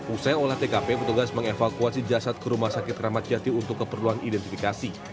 usai olah tkp bertugas mengevakuasi jasad ke rumah sakit ramad jati untuk keperluan identifikasi